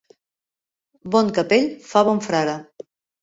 Bon capell fa bon frare.